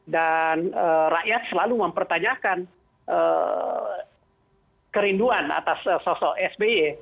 dan rakyat selalu mempertanyakan kerinduan atas sosok sp